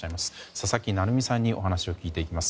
佐々木成三さんにお話を聞いていきます。